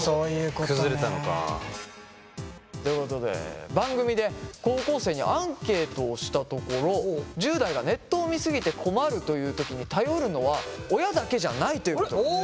崩れたのか。ということで番組で高校生にアンケートをしたところ１０代がネットを見過ぎて困るという時に頼るのは親だけじゃないということが分かりました。